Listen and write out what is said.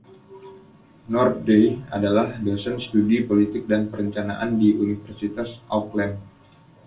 Northey adalah dosen Studi Politik dan Perencanaan di Universitas Auckland.